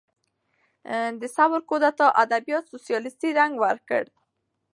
د ثور کودتا ادبیات سوسیالیستي رنګ ورکړ.